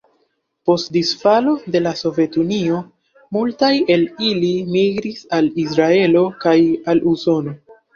Post disfalo de la Sovetunio, multaj el ili migris al Israelo kaj al Usono.